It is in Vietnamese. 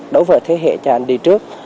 đối với thế hệ chàng đi trước